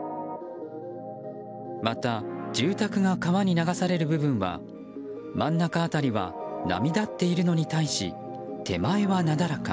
また、住宅が川に流される部分は真ん中辺りは波立っているのに対し手前はなだらか。